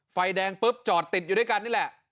ไฟแดงปุ๊บจอดติดอยู่ด้วยกันนี่แหละ